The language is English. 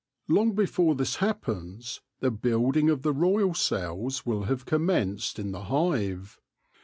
Long before this happens the building of the royal cells will have commenced in the hive.